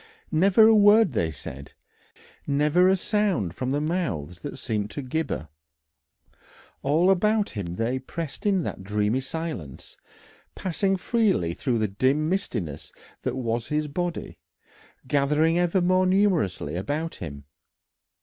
Never a word they said, never a sound from the mouths that seemed to gibber. All about him they pressed in that dreamy silence, passing freely through the dim mistiness that was his body, gathering ever more numerously about him.